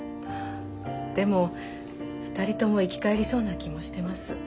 でも２人とも生き返りそうな気もしてます。